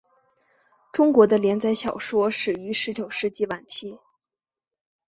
中国的连载小说始于十九世纪晚期。